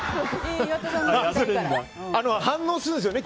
反応するんですよね